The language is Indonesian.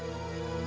ya udah yuk